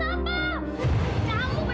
eh kamu tidak masalah